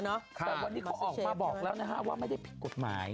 แต่วันนี้เขาออกมาบอกแล้วนะฮะว่าไม่ได้ผิดกฎหมาย